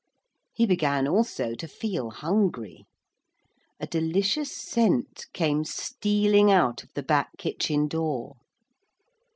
He began also to feel hungry. A delicious scent came stealing out of the back kitchen door.